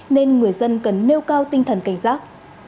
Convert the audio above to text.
nên người dân cần nêu cao tinh thần cảnh giác